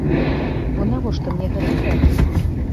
Бо навошта мне гэта трэба?